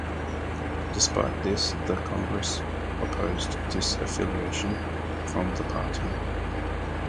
Despite this the Congress opposed disaffiliation from the party.